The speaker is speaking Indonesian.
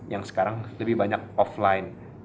yang sekarang lebih banyak offline